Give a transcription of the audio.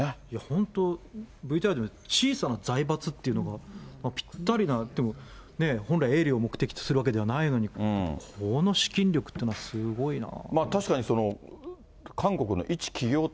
本当、ＶＴＲでも小さな財閥っていうのが、ぴったりな、でもね、本来営利を目的とするわけではないのに、この資金力っていうのはすごいな。